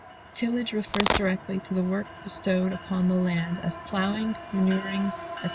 Tillage refers directly to the work bestowed upon the land, as plowing, manuring, etc.